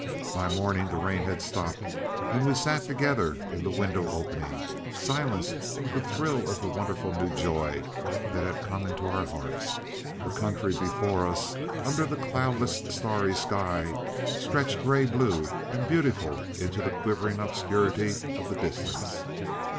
By morning the rain had stopped, and we sat together in the window opening, silenced with the thrill of the wonderful new joy that had come into our hearts. "The country before us, under the cloudless, starry sky, stretched gray blue and beautiful into the quivering obscurity of the distance.